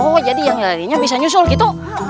oh jadi yang lainnya bisa menyusul gitu